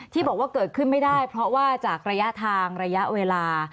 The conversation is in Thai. ที่บอกว่าเกิดขึ้นไม่ได้เพราะว่าจากระยะทางระยะเวลา